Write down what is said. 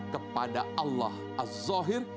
kepada allah al zahir